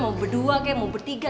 mau berdua kayak mau bertiga